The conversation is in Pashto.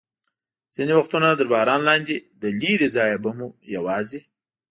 ځینې وختونه تر باران لاندې، له لرې ځایه به مو یوازې.